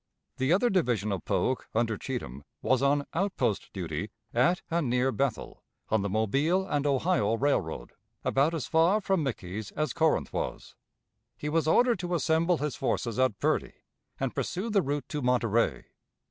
The other division of Polk, under Cheatham, was on outpost duty, at and near Bethel, on the Mobile and Ohio Railroad, about as far from Mickey's as Corinth was. He was ordered to assemble his forces at Purdy, and pursue the route to Monterey.